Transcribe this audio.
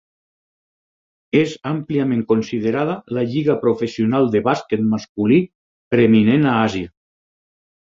És àmpliament considerada la lliga professional de bàsquet masculí preeminent a Àsia.